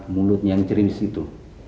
mulutnya yang cerimis itu